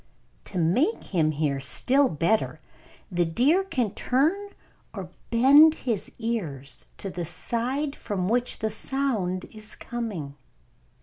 To make him hear still better, the deer can turn or bend his ears to the side from which the sound is coming.